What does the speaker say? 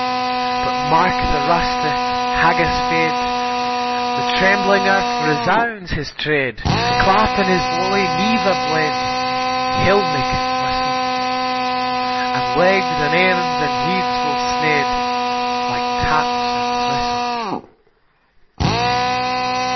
But mark the rustic, haggis fed, The trembling earth resounds his tread, Clap in his walie nieve a blade, He'll mak it whissle; An' legs, an' arms, an' heads will sned, Like taps o' thrissle.